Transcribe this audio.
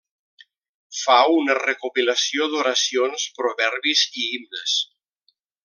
Fa una recopilació d'oracions, proverbis i himnes.